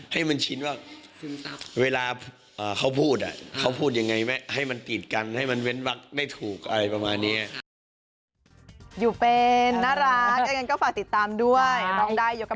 ให้มันชินว่าเวลาเขาพูดเขาพูดยังไงให้มันกีดกันให้มันเว้นวักได้ถูกอะไรประมาณนี้